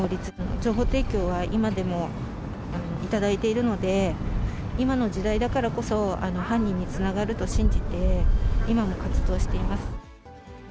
情報提供は今でも頂いているので、今の時代だからこそ、犯人につながると信じて、今も活動しています。